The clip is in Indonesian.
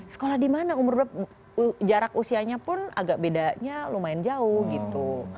sekolah dimana umur berapa jarak usianya pun agak bedanya lumayan jauh gitu